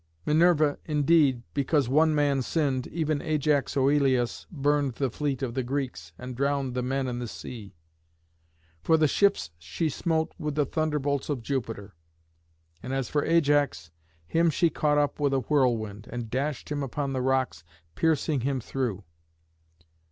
Minerva, indeed, because one man sinned, even Ajax Oïleus, burned the fleet of the Greeks, and drowned the men in the sea. For the ships she smote with the thunderbolts of Jupiter; and as for Ajax, him she caught up with a whirlwind, and dashed him upon the rocks, piercing him through.